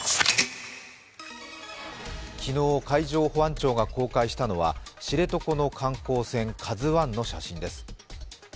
昨日、海上保安庁が公開したのは知床の観光船「ＫＡＺＵⅠ」の写真です。